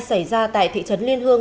xảy ra tại thị trấn liên hương